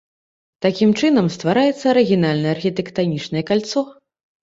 Такім чынам ствараецца арыгінальнае архітэктанічнае кальцо.